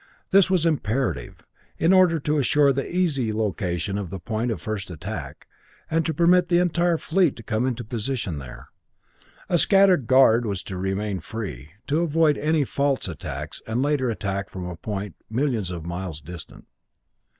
This was imperative, in order to assure the easy location of the point of first attack, and to permit the entire fleet to come into position there. A scattered guard was to remain free, to avoid any false attacks and a later attack from a point millions of miles distant.